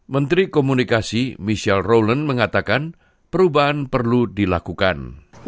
menteri komunikasi michelle rowland mengatakan perubahan perlu dilakukan